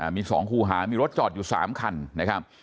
มี๒คู่หามีรถจอดอยู่๓คันนะครับ